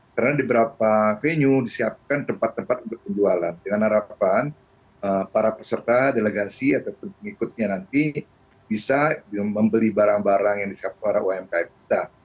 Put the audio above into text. karena di beberapa venue disiapkan tempat tempat untuk pendualan dengan harapan para peserta delegasi atau pengikutnya nanti bisa membeli barang barang yang disiapkan oleh umkm kita